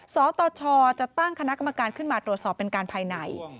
สตชจะตั้งคณะกรรมการขึ้นมาตรวจสอบเป็นการภายใน